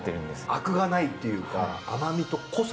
アクがないっていうか甘みと濃さ。